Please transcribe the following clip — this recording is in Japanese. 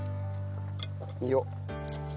よっ。